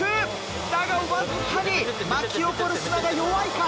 だがわずかに巻き起こる砂が弱いか。